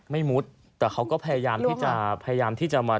ไม่มุดแต่เขาก็พยายามที่จะมาทำบางอย่างให้เราเห็น